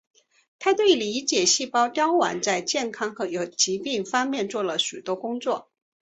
他对理解细胞凋亡在健康和疾病方面做了许多工作。